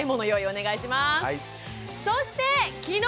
お願いします。